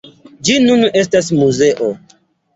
Ĝi nun estas muzeo.